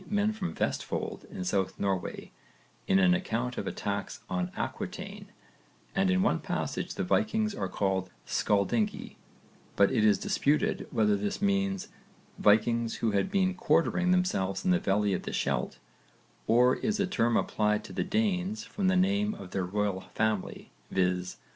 men from Vestfold in South Norway, in an account of attacks on Aquitaine, and in one passage the Vikings are called 'Scaldingi,' but it is disputed whether this means Vikings who had been quartering themselves in the valley of the Scheldt, or is a term applied to the Danes from the name of their royal family, viz.